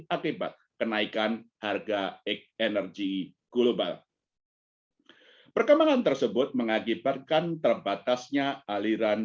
akibat kenaikan harga energi global perkembangan tersebut mengakibatkan terbatasnya aliran